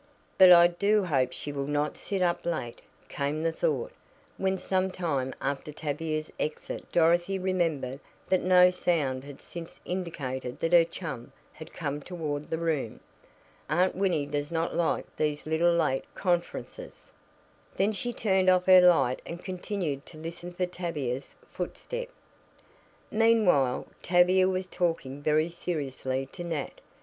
"But I do hope she will not sit up late," came the thought, when some time after Tavia's exit Dorothy remembered that no sound had since indicated that her chum had come toward the room. "Aunt Winnie does not like these little late conferences." Then she turned off her light and continued to listen for Tavia's footstep. Meanwhile, Tavia was talking very seriously to Nat.